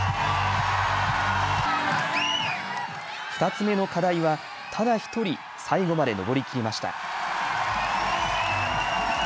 ２つ目の課題はただ１人最後まで登りきりました。